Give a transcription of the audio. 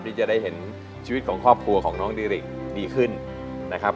ที่จะได้เห็นชีวิตของครอบครัวของน้องดิริกดีขึ้นนะครับ